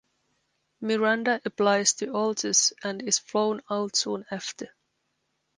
Miranda applies to Altus and is flown out soon after.